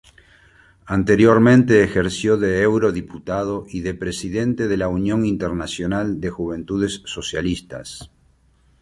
Anteriormente ejerció de eurodiputado y de presidente de la Unión Internacional de Juventudes Socialistas.